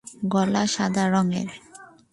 গলা সাদা রঙের।